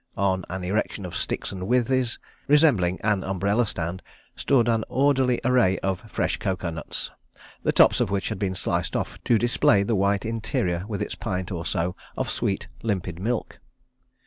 On an erection of sticks and withes, resembling an umbrella stand, stood an orderly array of fresh coco nuts, the tops of which had been sliced off to display the white interior with its pint or so of sweet, limpid milk.